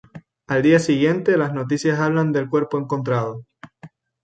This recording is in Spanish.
Al día siguiente las noticias hablan del cuerpo encontrado.